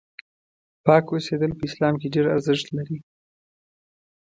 پاک اوسېدل په اسلام کې ډېر ارزښت لري.